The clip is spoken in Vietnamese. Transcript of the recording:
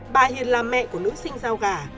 bà hiền là mẹ của nữ sinh dao gà